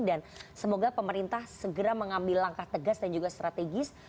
dan semoga pemerintah segera mengambil langkah tegas dan juga strategis